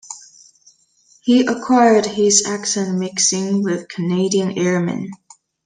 He acquired his accent mixing with Canadian airmen.